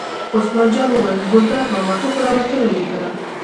عثمان جان وویل: ګلداد ماما ته خو را وتلې وې کنه.